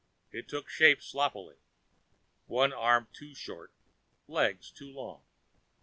It took shape sloppily, one arm too short, legs too long.